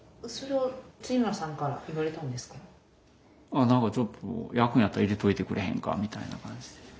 ああなんかちょっと焼くんやったら入れといてくれへんかみたいな感じで。